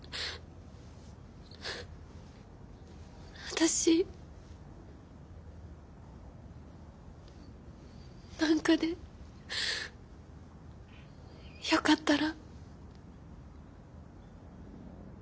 私なんかでよかったら。